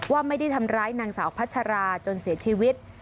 ว่าไม่ได้ทำร้ายนางสาวพัชราจนเสียชีวิต